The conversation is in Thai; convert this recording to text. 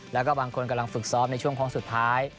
แล้วก็บางคนกำลังฝึกซ้อมในช่วงโค้งสุดท้าย